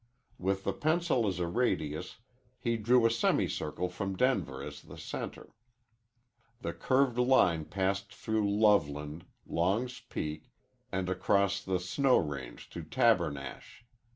With the pencil as a radius he drew a semicircle from Denver as the center. The curved line passed through Loveland, Long's Peak, and across the Snow Range to Tabernash.